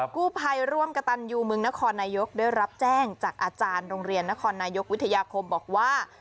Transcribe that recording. กู้ภัยร่วมกระตันยูเมืองนครนายกได้รับแจ้งจากอาจารย์โรงเรียนนครนายกวิทยาคมบอกว่า